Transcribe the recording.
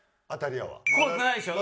怖くないでしょ？